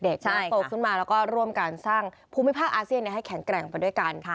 และก็ร่วมการสร้างภูมิภาพอาเซียนให้แข็งแกร่งไปด้วยกัน